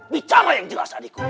bicara yang jelas adikku